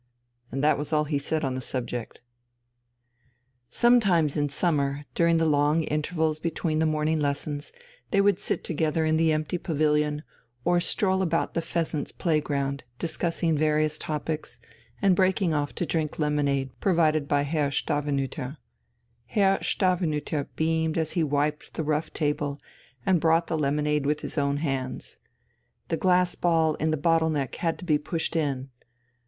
And that was all he said on the subject. Sometimes in summer, during the long intervals between the morning lessons, they would sit together in the empty pavilion, or stroll about the "Pheasants" playground, discussing various topics, and breaking off to drink lemonade provided by Herr Stavenüter. Herr Stavenüter beamed as he wiped the rough table and brought the lemonade with his own hands. The glass ball in the bottle neck had to be pushed in.